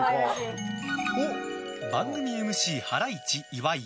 番組ＭＣ、ハライチ岩井。